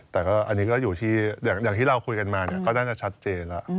แต่อันนี้ก็อยู่ที่อย่างที่เราคุยกันมาก็น่าจะชัดเจนแล้ว